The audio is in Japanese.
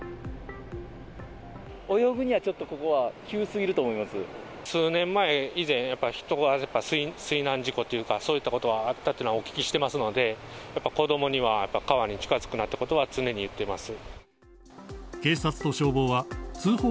泳ぐには、ちょっとここは急数年前、以前、やっぱ人が、やっぱり水難事故っていうか、そういったことはあるというのはお聞きしていますので、子どもには川に近づくなということは、常に言っています。